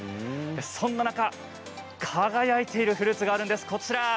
そんな中輝いているフルーツがあるんです。